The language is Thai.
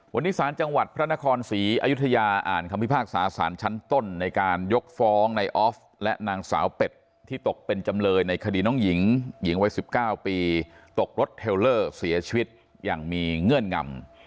วันนี้สารจังหวัดพระนครศรีอยุธยาอ่านคำพิพากษาสารชั้นต้นในการยกฟ้องในออฟและนางสาวเป็ดที่ตกเป็นจำเลยในคดีน้องหญิงหญิงวัย๑๙ปีตกรถเทลเลอร์เสียชีวิตอย่างมีเงื่อนงำ